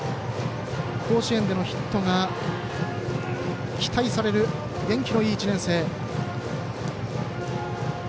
甲子園でのヒットが期待される、元気のいい１年生。